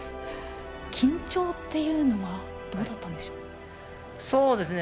緊張というのはどうだったんでしょう。